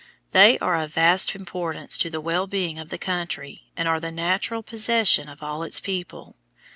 They are of vast importance to the well being of the country and are the natural possession of all its people.